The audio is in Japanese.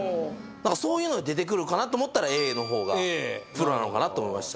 だからそういうので出てくるかなと思ったらＡのほうがプロなのかなと思いました